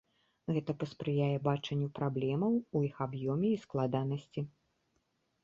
Гэта паспрыяе бачанню праблемаў у іх аб'ёме і складанасці.